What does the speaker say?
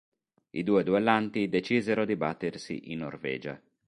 I due duellanti decisero di battersi in Norvegia.